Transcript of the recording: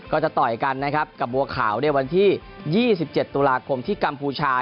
ก็จะต่อยกันกับบัวขาววันที่๒๗ตุลาคมที่กัมพูชา